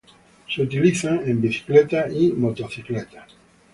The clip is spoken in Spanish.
Se utilizan en bicicletas y motocicletas.